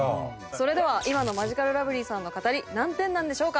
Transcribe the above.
それでは今のマヂカルラブリーさんの語り何点なんでしょうか？